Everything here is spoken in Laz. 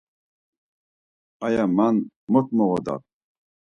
Aya man mot moğodap?